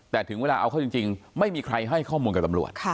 แต่ถึงเวลาเอาเข้าจริงไม่มีใครให้ข้อมูลกับตำรวจ